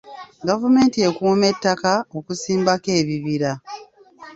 Gavumenti ekuuma ettaka okusimbako ebibira.